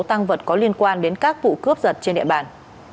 tăng vật có liên quan đến các vụ cướp giật trên địa bàn